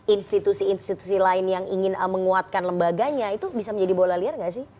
institusi institusi lain yang ingin menguatkan lembaganya itu bisa menjadi bola liar nggak sih